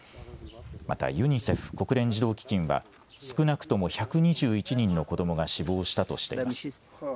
またユニセフ・国連児童基金は少なくとも１２１人の子どもが死亡したとしています。